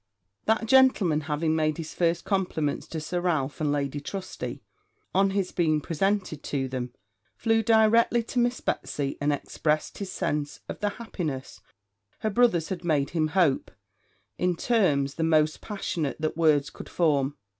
That gentleman having made his first compliments to Sir Ralph and Lady Trusty, on his being presented to them, flew directly to Miss Betsy, and expressed his sense of the happiness her brothers had made him hope, in terms the most passionate that words would form.